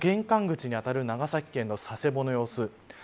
その玄関口にあたる長崎県の佐世保の様子。